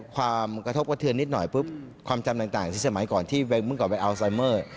ความจำต่างที่สมัยก่อนที่เว้งเมื่อก่อนไปอัลไซเมอร์